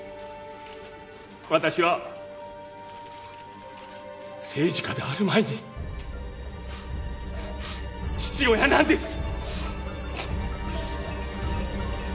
私は政治家である前に父親なんです！